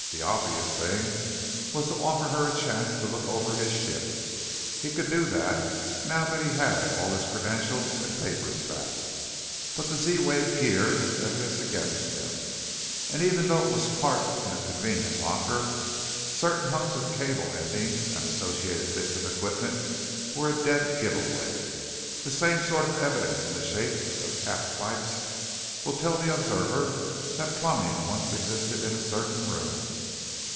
The obvious thing was to offer her a chance to look over his ship. He could do that, now that he had all of his credentials and papers back. But the Z wave gear was evidence against him, and even though it was parked in a convenient locker, certain hunks of cable endings and associated bits of equipment were a dead giveaway; the same sort of evidence in the shape of capped pipes will tell the observer that plumbing once existed in a certain room.